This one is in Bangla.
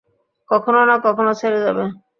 কখনো না কখনো ছেড়ে যাবে।